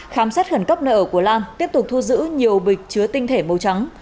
khám sát khẩn cấp nợ của lan tiếp tục thu giữ nhiều bịch chứa tinh thể màu trắng